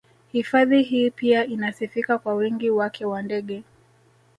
Hifadhi hii pia inasifika kwa wingi wake wa ndege